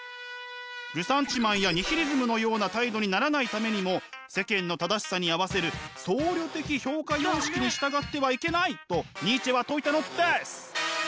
ルサンチマンやニヒリズムのような態度にならないためにも世間の正しさに合わせる僧侶的評価様式に従ってはいけないとニーチェは説いたのです！